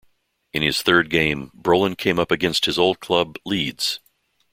In his third game, Brolin came up against his old club Leeds.